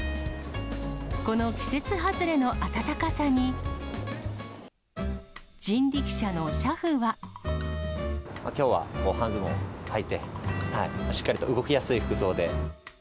この季節外れの暖かさに、きょうは半ズボンはいて、しっかりと動きやすい服装で。